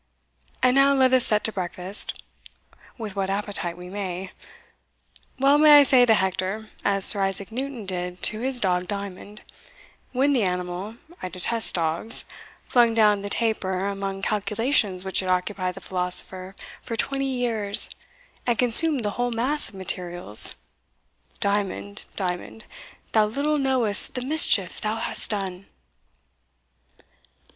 And now let us set to breakfast with what appetite we may. Well may I say to Hector, as Sir Isaac Newton did to his dog Diamond, when the animal (I detest dogs) flung down the taper among calculations which had occupied the philosopher for twenty years, and consumed the whole mass of materials Diamond, Diamond, thou little knowest the mischief thou hast done!"